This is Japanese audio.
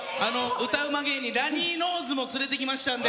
歌うま芸人のラニーノーズも連れてきましたので。